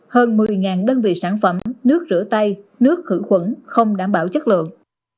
hơn một mươi đơn vị sản phẩm nước rửa tay nước khử khuẩn không đảm bảo chất lượng